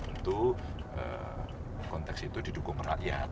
untuk konteks itu didukung rakyat